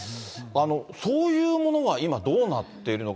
そういうものは今、どうなっているのか。